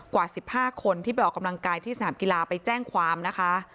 กว่า๑๕คนที่ไปออกกำลังกายที่สนามกีฬาไปแจ้งความนะคะ